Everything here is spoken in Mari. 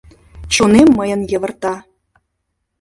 Чонем мыйын йывырта: